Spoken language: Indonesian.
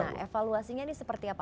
nah evaluasinya ini seperti apa